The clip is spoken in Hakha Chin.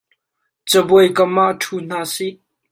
Cabuai kam ah ṭhu hna sih.